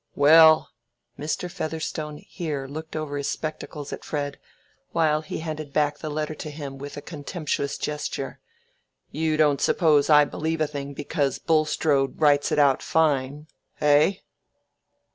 Well," Mr. Featherstone here looked over his spectacles at Fred, while he handed back the letter to him with a contemptuous gesture, "you don't suppose I believe a thing because Bulstrode writes it out fine, eh?"